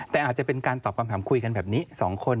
แต่อาจจะเป็นการตอบคำถามคุยกันแบบนี้๒คน